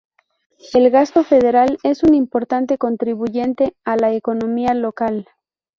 El gasto federal es un importante contribuyente a la economía local.